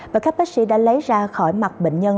và các bác sĩ đã lấy ra khỏi mặt bệnh nhân